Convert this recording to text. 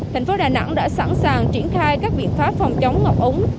thành phố đà nẵng đã sẵn sàng triển khai các biện pháp phòng chống ngập ống